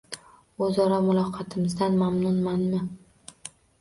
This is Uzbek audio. O‘zaro muloqotimizdan mamnunmanmi?